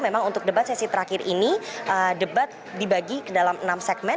memang untuk debat sesi terakhir ini debat dibagi ke dalam enam segmen